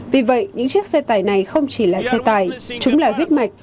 vì vậy những chiếc xe tải này không chỉ là xe tải chúng là huyết mạch